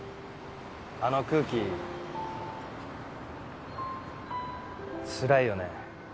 あの空気つらいよね。